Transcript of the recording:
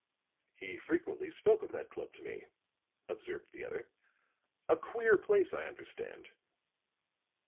"He frequently spoke of that club to me," observed the other. "A queer place, I understand."